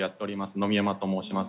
野見山と申します